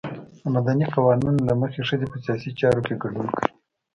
د مدني قوانینو له مخې ښځې په سیاسي چارو کې ګډون کوي.